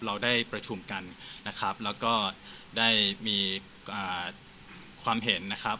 เราได้ประชุมกันนะครับแล้วก็ได้มีความเห็นนะครับ